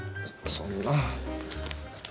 そそんな。